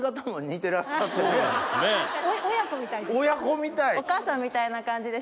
親子みたい！